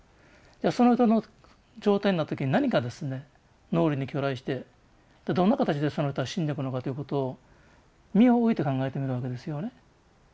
その人の状態になった時に何がですね脳裏に去来してどんな形でその人は死んでいくのかっていうことを身を置いて考えてみるわけですよね。